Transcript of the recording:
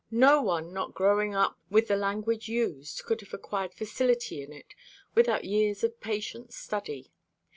No one not growing up with the language used could have acquired facility in it without years of patient study.